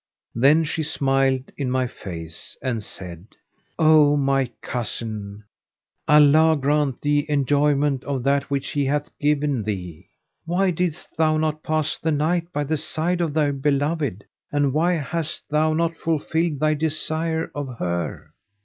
Then she smiled in my face and said, "O my cousin, Allah grant thee enjoyment of that which He hath given thee! Why didst thou not pass the night by the side of thy beloved and why hast thou not fulfilled thy desire of her?"